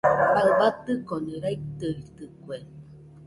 Baɨ batɨnokoni raitɨitɨkue.